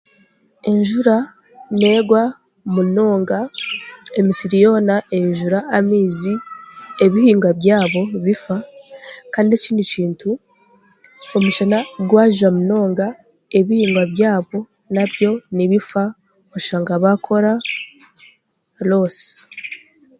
Enjura neegwa munonga, emisiri yoona eijura amaizi, ebihingwa byabo bifa, kandi ekindi kintu, omushana gwajwa munonga, ebihingwa byabo byona nibifa oshanga baakora loosi.